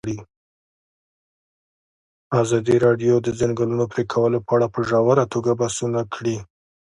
ازادي راډیو د د ځنګلونو پرېکول په اړه په ژوره توګه بحثونه کړي.